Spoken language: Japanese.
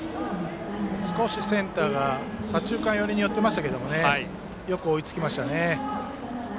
少しセンターが左中間寄りにいましたがよく追いつきましたね。